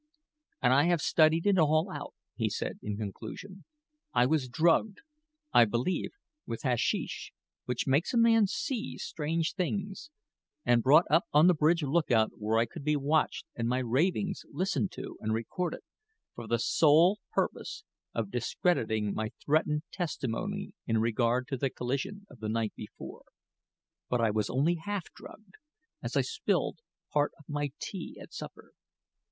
"And I have studied it all out," he said, in conclusion. "I was drugged I believe, with hasheesh, which makes a man see strange things and brought up on the bridge lookout where I could be watched and my ravings listened to and recorded, for the sole purpose of discrediting my threatened testimony in regard to the collision of the night before. But I was only half drugged, as I spilled part of my tea at supper.